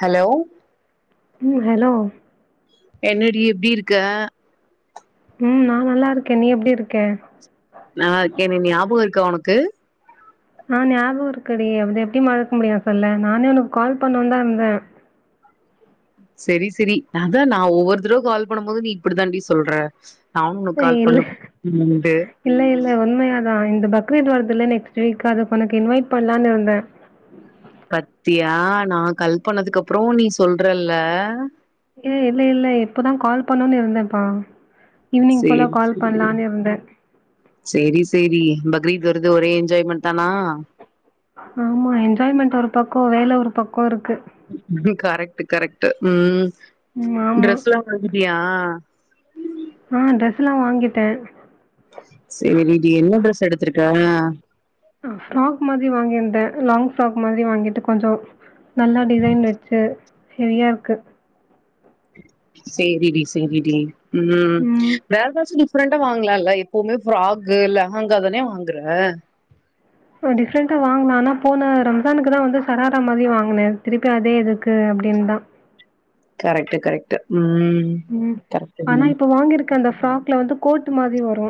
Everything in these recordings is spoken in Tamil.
ஹலோ ம் ஹலோ என்னடி எப்டி இருக்க ம் நா நல்லாருக்கே நீ எப்டி இருக்க நா என்னைய ஞாபக இருக்கா உனக்கு ஆ ஞாபக இருக்குடி அது எப்டி மறக்க முடியு சொல்லு நானே உனக்கு கால் பண்ணோன் தா இர்ந்தே செரி செரி நா தா நா ஒவ்வொரு தடவ கால் பண்ணும் போது நீ இப்டி தான்டி சொல்ற நானு உனுக் ஏய், கால் இல்ல பண்ணு [inaudible] உண்டு இல்ல இல்ல உண்மையா தா இந்த பக்ரீத் வர்துல்ல நெக்ஸ்ட்டு வீக் அதுக்உனக்கு இன்வைட் பண்லானு இருந்தே பத்தியா நா கல் பன்னதுக்கு அப்றோ நீ சொல்றல்ல ஏ இல்ல இல்ல இப்பதா கால் பண்ணுனு இருந்தேப்பா ஈவினிங் போல சேரி கால் பண்லான்னு இருந்தே செரி செரி பக்ரீத் வருது ஒரே என்ஜாய் மட்தானா ஆமா என்ஜாய்மெண்ட் ஒரு பக்கோ வேல ஒரு பக்கோ இருக்கு கரெக்ட்டு கரெக்ட்டு ம் ம் ஆமா. டரெஸ்ல்லா வாங்கிட்டியா ஆ ட்ரெஸ்ல்லா வாங்கிட்டே செரிடி என்ன ஃட்ரெஸ் எடுத்திருக்கா ஆ ஃப்ராக் மாதிரி வாங்கியிருந்தே லாங் ஃப்ராக் மாதிரி வாங்கிட்டு கொஞ்சோ நல்லா டிசைன் வச்சு ஹெவியா இருக்கு சேரி டி சேரி டி ம் வேறதாச்சு டிஃப்ரெண்டா வாங்கலால்ல எப்போவுமே ஃப்ராக்கு லஹாங்க தானே வாங்ற டிஃப்ரெண்ட்டா வாங்லா ஆனா போன ரம்ஜானுக்கு தா வந்து சரார மாதிரி வாங்கினே திருப்பி அதே எதுக்கு அப்டின்னுதா கரெக்ட்டு கரெக்ட்டு ம் ம் கரெக்ட்டுங்க ஆனா இப்ப வாங்கிருக் கு அந்த ஃபிராக்ல வந்து கோட் மாதிரி வரு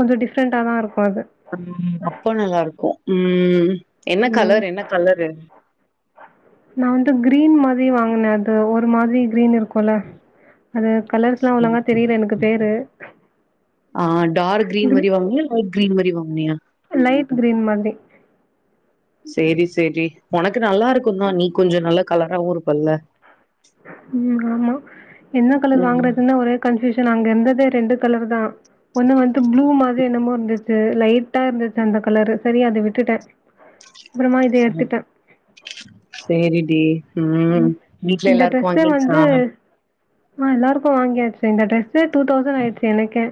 கொஞ்ச டிஃப்ரெண்டாதா இருக்கு அது ம் அப்போ நல்லா இருக்கு ம் என்ன ம். கலர் என்ன கலரு நா வந்து கிரீன் மாதிரி வாங்கினே அது ஒரு மாதிரி கிரீன் இருக்கு போல அது கலர்ஸ்லா ஒழுங்கா தெரியல எனக்கு பேரு ஆ டார்க் கிரீன் மாரி வாங்கினியா லைட் கிரீன் மாரி வாங்கினியா லைட் கிரீன் மாதிரி செரி செரி உனக்கு நல்லா இருக்கந்தா நீ கொஞ்சோ நல்லா கலராவு இருப்பல்ல ம் ஆமா என்ன கலர் ம் வாங்குறதுன்னு ஒரே கன்ஃபூஷன் அங்க இருந்ததே ரெண்டு கலருதா ஒண்ணு வந்து ப்ளூ மாதிரி என்னமோ இருந்துச்சு லைட்டா இருந்துச்சு அந்த கலரு செரி அத விட்டுட்டே அப்பறமா இத எடுத்துட்டே சேரி டி ம் வீட்ல இந்த எல்லாருக்கு ட்ரெஸ்ஸே வாங்கியாச்சா வந்து ஆ எல்லாருக்கு வாங்கியாச்சு இந்த டிரெஸ்சு டூ தௌசண்ட் ஆயிடுச்சு எனக்கே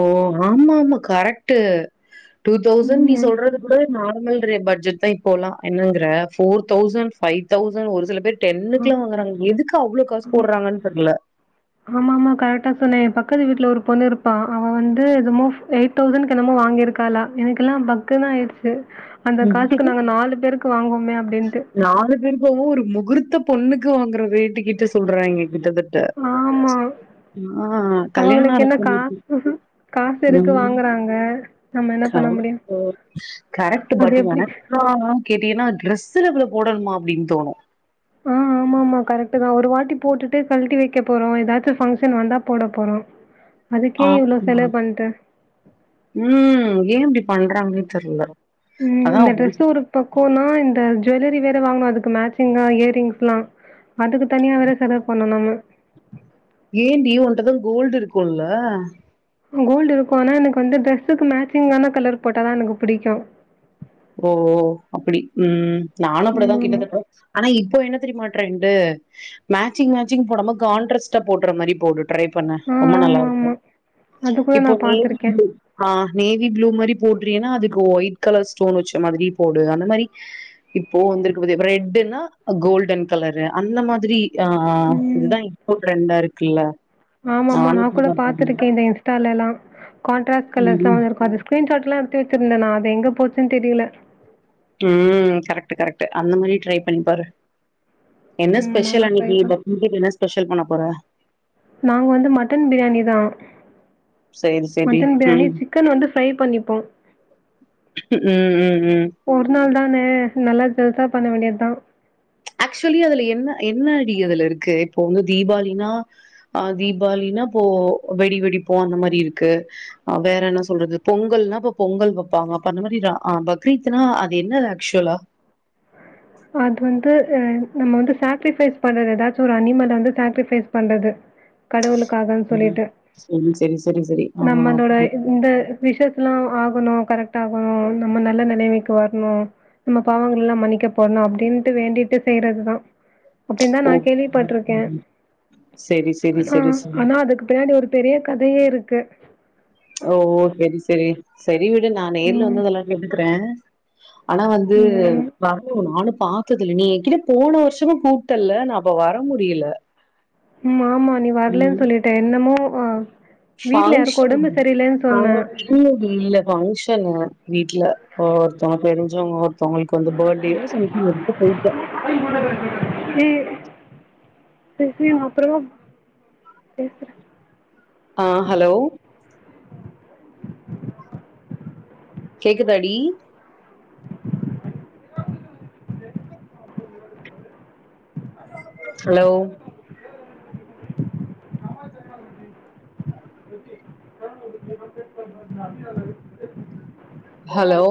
ஓ ஆமா ஆமா கரெக்ட்டு டூதௌசண்ட் நீ ம். சொல்றது டைவே நார்மல் ரே பட்ஜெட் தா இப்போல்லா என்னங்கற போர் தௌசண்ட் பைவ் தௌசண்ட் ஒரு சில பேர் டென்னுக்கு எல்லா வாங்கறாங்க எதுக்கு அவ்ளோ காசு போட்றாங்கன்னு தெர்ல ஆமா ஆமா கரெக்டா சொன்னே எம் பக்கத்து வீட்ல ஒரு பொண்ணு இருப்பா அவ வந்து என்னமோ வெயிட் தௌசண்டஸ்க்கு என்னமோ வாங்கியிருக்காளா எனக்குக்கெல்லா பக்குன்னு ஆயிடுச்சு அந்த காசுக்கு நாங்க நாலு பேருக்கு வாங்குவமே அப்டின்ட்டு நாலு பேரு இப்பவோ ஒரு முகூர்த்த பொண்ணுக்கு வாங்குற ரேட்டு கிட்ட சொல்றாங்க கிட்டத்தட் வாமா கல்யாண அவங்களுக்கு ஆர என்னக்கா பொண்ணுக்கு காசு இருக்கு வாங்குறாங்க நம்ம என்ன பண்ண முடியும் கருமத்த கரெக்ட்டு அது எப்படி பட்எனக் ஆவுன்னு கேட்டீன்னா ட்ரெஸ்ல இவ்வேள போடணுமா அப்படின்னு தோணு ஆமா கரெக்ட் தா ஒரு வாட்டி போட்டுட்டு கழட்டி வைக்க போறோம் ஏதாச்சும் ஃபங்க்ஷன் வந்தா போட போறோ ஆ உம் ம் ஏன் இப்படி பண்றாங்கன்னு தெர்ல ம் அதா இந்த ட்ரெஸ்சு ஒரு பக்கோன்னா இந்த ஜுவல்லரி வேற வாங்கணு அதுக்கு மேட்சிங்கா இயர்ரிங்ஸ்லா அதுக்கு தனியா வேற செலவு பண்ணணு நம்ம ஏன்டி உன்டதா கோல்டு இருக்குமல்ல கோல்டு இருக்கோன்னா எனக்கு வந்து டிரரெஸ்க்கு மேச்சிங்கான கலர் போட்டாதா தான் எனக்கு பிடிக்கும் ஓ ஓ அப்படி உம் நானும் ம் ஆமா அப்படிதாகிட்டதுப்புற ஆனா இப்ப என்ன தெரியுமா ரிரன்டுட் மேச்சிங் மேச்சிங் போடாம கான்ட்ரஸ்ட்டா போட்ற மாறி போட்டுட்டு ட்ரை பண்ண ஆ ரொம்ப நல்லா ஆமா ஆமா இருக்கும் அது கூட இப்போ நா தேவி பாத்திருக்கே ஆ நேவி ப்ளூ மாதிரி அ தேவி. போடுறீன்னா அதுக்கு ஒயிட் கலர்ஸ் ஸ்டோன் வச்ச மாதிரி போடு அந்த மாதிரி இப்போ வந்திருக்கு பாத்தியா ஃப்ரெட்டுன்னா கோல்டன் கலரு அந்த மாதிரி யா இதுதா இப்ப ட்ரெண்டா இருக்குல்ல ஆமா ஆமா நானு நா கூட இப்படிதா பண்ணே பாத்துருக்கே இந்த இன்ஸ்டால எல்லா கான்ட்ரஸ்ட் கலர் தா ம் இருக்கும் அது ஸ்கிரீன் ஷாட்லா எடுத்து வச்சிருந்தே நா அது எங்க போச்சுன்னு தெரில ம் கரெக்ட்டு கரெக்ட்டு அந்த மாறி ட்ரை பண்ணி பாரு என்ன ம் ஸ்பெஷல் ஆமா ட்ரை அன்னைக்கி பண் பக் முகிக்கு என்ன ஸ்பெஷல் பண்ண போற நாங்க வந்து மட்டன் பிரியாணி தா சேர் சே மட்டன் பிரியாணி சிக்கன் வந்து ஃப்ரை பண்ணிப்போ ம் ம் ம் ஒர்நாள் தானே நல்லா ஜல்சா பண்ண வேண்டியத் தா ஆக்சுவலி அதுல என்ன என்னா டி அதுல இருக்கு இப்போ உங்க தீபாளினா அ தீபாளின்னா ப்போ வெடி வெடிப்போம் அந்த மாறி இருக்கு அ வேற என்ன சொல்றது பொங்கல்னா இப்ப பொங்கல் வெப்பாங்க அப்ப அந்த மாறி பக்ரீத்னா அது என்ன ஆக்சுவலா அது வந்து நம்ம வந்து சாக்ரிஃபைஸ் பண்றது ஏதாச்சு ஒரு அனிமல் வந்து சாக்ரிஃபைஸ் பண்றது கடவுளுக்காகன்னு ம் சொல்லிட்டு சரி சரி சரி சரி ஆ நம்மளோட இந்த விஷேத்தல்லா ஆகணு கரெக்ட் ஆகணு நம்ம நல்ல நெலமைக்கு வர்ணு நம்ம பாவங்கல்லா மன்னிக்க படணு அப்டின்ட்டு வேண்டிட்டு செய்றதுதா அப்டின்னு தா ஓ நா கேள்விப்பட்ருக்கே சரி சரி ஆனா சரி சரி ஆனா அதுக்கு பின்னாடி ஒரு பெரிய கதையே இருக்கு ஓ ஓ சேரி சேரி சேரி விடு நா நேர்ல ம். வந்து அதெல்லா கேட்டுக்கறே ஆனா வந்து ம். வரணு நானும் பாத்ததில்ல நீ என்கிட்ட போன வருஷமும் கூப்டல்ல நா அப்ப வர முடில ம் ஆமா நீ வரலன்னு சொல்லிட்ட என்னமோ ஆ ஃபங்ஷன் அவங்க ரிலேட்டிவ்ல ஃபங்ஷன் ஃபங்ஷனு வீட்ல ஒருத்தவங்க தெரிஞ்சவங்க ஒருத்தவங்களுக்கு வந்து ஃபர்டே வோ சம்திங் போயிட்டோ [inaudible] எ செரி செரி அப்பறமா பேசுற ஆ ஹலோ கேக்குதாடி ஹலோ [unintelligible] ஹலோ